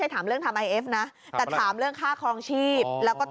ตอนนี้ตก๔๕๐แล้วค่ะเบอร์๒